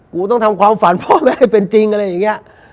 กูต้องทำความฝันพ่อแม่ให้เป็นจริงอะไรอย่างนี้